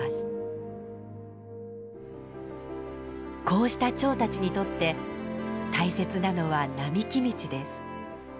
こうしたチョウたちにとって大切なのは並木道です。